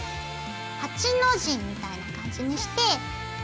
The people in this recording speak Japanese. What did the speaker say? ８の字みたいな感じにして。